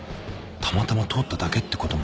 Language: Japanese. たまたま通っただけってことも